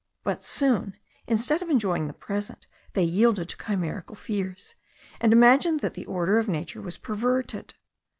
But soon, instead of enjoying the present, they yielded to chimerical fears, and imagined that the order of nature was perverted.